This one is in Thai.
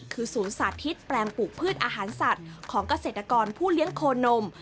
คือศูนย์สาธิตแปลงปลูกพืชอาหารสัตว์ของเกษตรกรผู้เลี้ยงโคนม